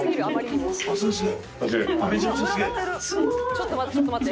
「ちょっと待ってちょっと待って。